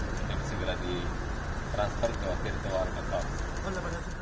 yang disinggali transfer ke virtual control